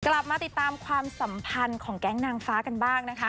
กลับมาติดตามความสัมพันธ์ของแก๊งนางฟ้ากันบ้างนะคะ